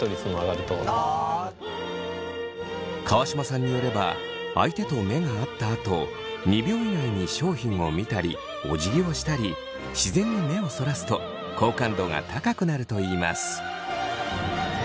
川島さんによれば相手と目が合ったあと２秒以内に商品を見たりおじぎをしたり自然に目をそらすと好感度が高くなるといいます。